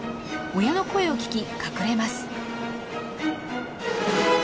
親の声を聞き隠れます。